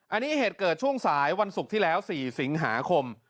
อันนี้เหตุเกิดช่วงสายวันศุกร์ที่แล้ว๔สิงหาคม